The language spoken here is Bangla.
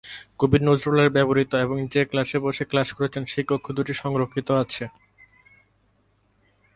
কবি নজরুলের ব্যবহূত এবং যে ক্লাসে বসে ক্লাস করেছেন সেই কক্ষ দুটি সংরক্ষিত আছে।